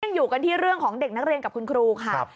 ยังอยู่กันที่เรื่องของเด็กนักเรียนกับคุณครูค่ะ